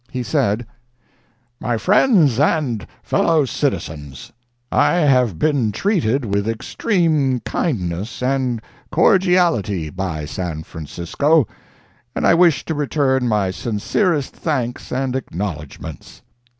He said: "My Friends and Fellow Citizens: I have been treated with extreme kindness and cordiality by San Francisco, and I wish to return my sincerest thanks and acknowledgments.